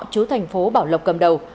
chú thành phố bảo lộng cầm đầu